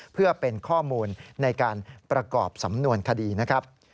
เพื่อเป็นข้อมูลในการประกอบสำนวนคดีนะครับ